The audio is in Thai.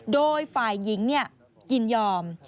โดยฝ่ายหญิงยินยอม